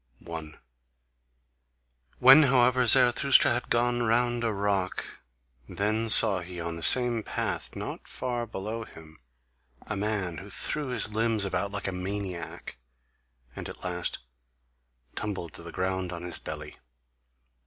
1. When however Zarathustra had gone round a rock, then saw he on the same path, not far below him, a man who threw his limbs about like a maniac, and at last tumbled to the ground on his belly.